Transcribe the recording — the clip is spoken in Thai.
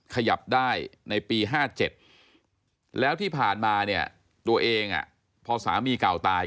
ขยับได้ในปี๕๗แล้วที่ผ่านมาเนี่ยตัวเองพอสามีเก่าตาย